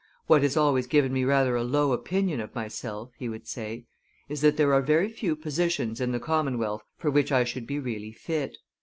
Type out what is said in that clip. "What has always given me rather a low opinion of myself," he would say, "is that there are very few positions in the commonwealth for which I should be really fit.